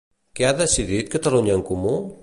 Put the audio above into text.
Què ha decidit Catalunya en Comú?